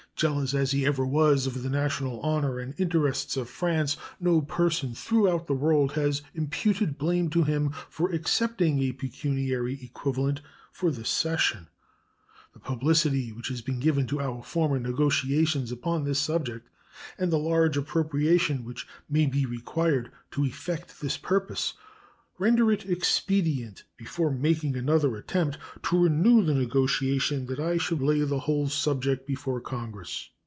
Jealous as he ever was of the national honor and interests of France, no person throughout the world has imputed blame to him for accepting a pecuniary equivalent for this cession. The publicity which has been given to our former negotiations upon this subject and the large appropriation which may be required to effect the purpose render it expedient before making another attempt to renew the negotiation that I should lay the whole subject before Congress.